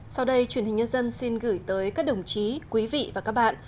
sau đây truyền hình nhân dân xin gửi tới các đồng chí quý vị và các bạn